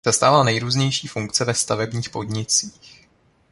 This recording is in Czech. Zastával nejrůznější funkce ve stavebních podnicích.